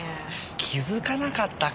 気づかなかったか？